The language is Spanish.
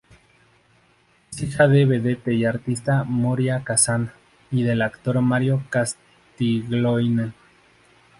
Es hija de la vedette y artista Moria Casán y del actor Mario Castiglione.